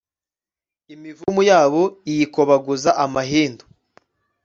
imivumu yabo iyikobaguza amahindu